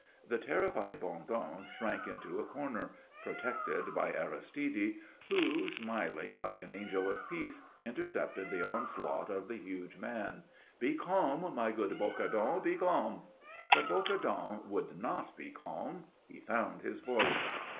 The terrified Bondon shrank into a corner, protected by Aristide, who, smiling like an angel of peace, intercepted the onslaught of the huge man. "Be calm, my good Bocardon, be calm." But Bocardon would not be calm. He found his voice.